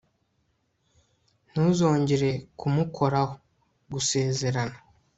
ntuzongere kumukoraho. gusezerana